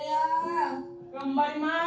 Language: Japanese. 頑張ります！